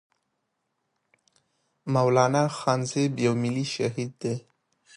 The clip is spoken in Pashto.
مولانا خانزيب يو ملي شهيد دی